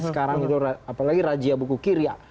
sekarang apalagi rajia buku kiria